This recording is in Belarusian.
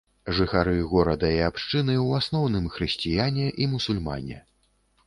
Жыхары горада і абшчыны ў асноўным хрысціяне і мусульмане.